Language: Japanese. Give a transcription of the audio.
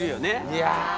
いや。